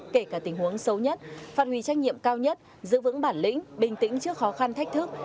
kể cả tình huống xấu nhất phạt hủy trách nhiệm cao nhất giữ vững bản lĩnh bình tĩnh trước khó khăn thách thức